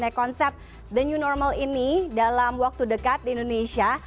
tapi kita lihat the new normal ini dalam waktu dekat di indonesia